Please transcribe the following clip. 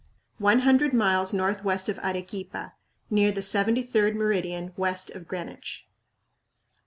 one hundred miles northwest of Arequipa, near the 73d meridian west of Greenwich.